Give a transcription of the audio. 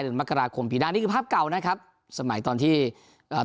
เดือนมกราคมปีหน้านี่คือภาพเก่านะครับสมัยตอนที่เอ่อ